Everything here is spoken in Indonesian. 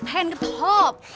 pengen gitu hop